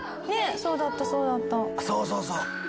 そうそうそう。